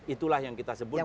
itulah yang kita sebut